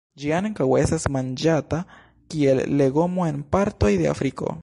Ĝi ankaŭ estas manĝata kiel legomo en partoj de Afriko.